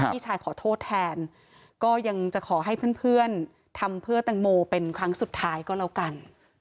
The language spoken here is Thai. พี่ชายขอโทษแทนก็ยังจะขอให้เพื่อนทำเพื่อแตงโมเป็นครั้งสุดท้ายก็แล้วกัน